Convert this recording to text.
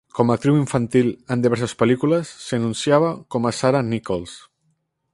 Com a actriu infantil en diverses pel·lícules, s'anunciava com a Sarah Nicholls.